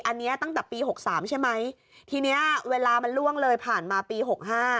อันนี้ตั้งแต่ปี๖๓ใช่ไหมทีนี้เวลามันล่วงเลยผ่านมาปีหกห้า